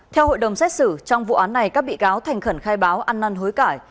theo hội đồng xét xử trong vụ án này các bị cáo thành khẩn khai báo ăn năn hối cải